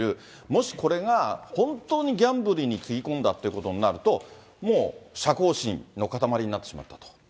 もしこれが、本当にギャンブルにつぎ込んだっていうことになると、もう射幸心の固まりになってしまったと。